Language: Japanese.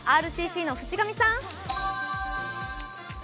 ＲＣＣの渕上さん！